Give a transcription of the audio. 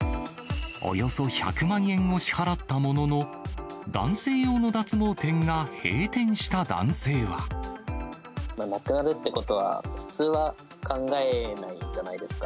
およそ１００万円を支払ったものの、なくなるってことは、普通は考えないじゃないですか。